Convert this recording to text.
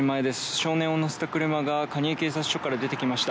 少年を乗せた車が蟹江警察署から出てきました。